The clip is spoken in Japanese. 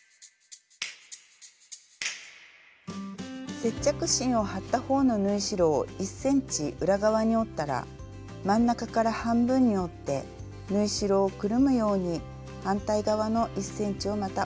接着芯を貼ったほうの縫い代を１ｃｍ裏側に折ったら真ん中から半分に折って縫い代をくるむように反対側の１ｃｍをまた折っておきます。